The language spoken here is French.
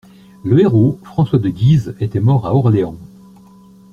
Le héros, François de Guise, était mort à Orléans.